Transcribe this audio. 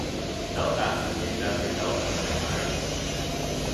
Belfast is named after Belfast in Ireland.